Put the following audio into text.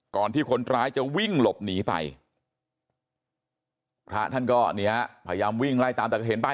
ที่คนร้ายจะวิ่งหลบหนีไปพระท่านก็เนี่ยพยายามวิ่งไล่ตามแต่ก็เห็นไป